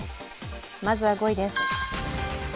まずは５位です。